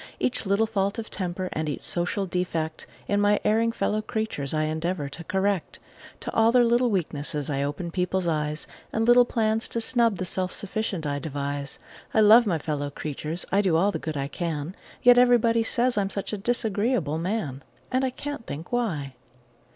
Each little fault of temper and each social defect In my erring fellow creatures, I endeavor to correct. To all their little weaknesses I open people's eyes And little plans to snub the self sufficient I devise; I love my fellow creatures I do all the good I can Yet everybody say I'm such a disagreeable man! And I can't think why!